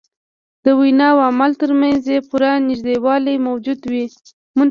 د وینا او عمل تر منځ یې پوره نژدېوالی موجود وي.